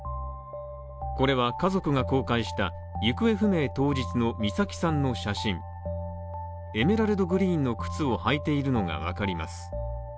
これは家族が公開した行方不明当日の美咲さんの写真エメラルドグリーンの靴を履いているのがわかります。